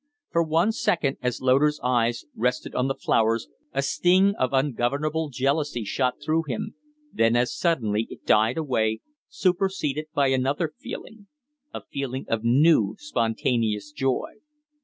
For one second, as Loder's eyes' rested on the flowers, a sting of ungovernable jealousy shot through him; then as suddenly it died away, superseded by another feeling a feeling of new, spontaneous joy.